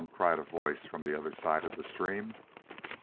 cried a voice from the other side of the stream.